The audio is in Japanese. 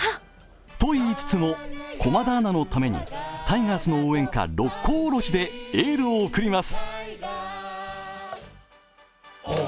と言いつつも、駒田アナのためにタイガースの応援歌、「六甲おろし」でエールを送ります。